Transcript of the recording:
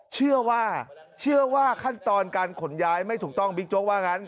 เชื่อว่าเชื่อว่าขั้นตอนการขนย้ายไม่ถูกต้องบิ๊กโจ๊กว่างั้น